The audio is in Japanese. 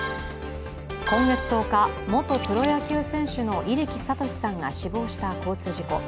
今月１０日元プロ野球選手の入来智さんが死亡した交通事故。